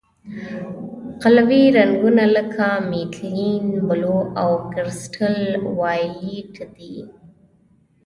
قلوي رنګونه لکه میتیلین بلو او کرسټل وایولېټ دي.